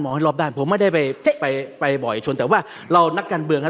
ให้รอบด้านผมไม่ได้ไปไปบ่อยชนแต่ว่าเรานักการเมืองครับ